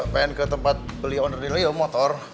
pengen ke tempat beli owner deal ya motor